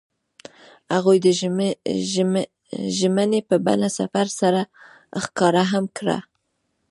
هغوی د ژمنې په بڼه سفر سره ښکاره هم کړه.